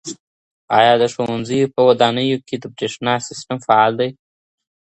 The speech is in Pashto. آیا د ښوونځیو په ودانیو کي د بریښنا سیسټم فعال دی؟